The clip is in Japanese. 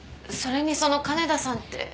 それにその金田さんって。